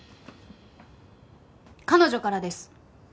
彼女からです。